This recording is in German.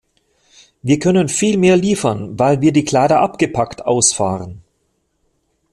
Wir können viel mehr liefern, weil wir die Kleider abgepackt ausfahren.